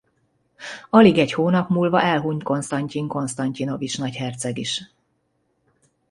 Alig egy hónap múlva elhunyt Konsztantyin Konsztantyinovics nagyherceg is.